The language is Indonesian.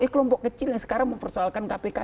kelompok kecil yang sekarang mempersoalkan kpk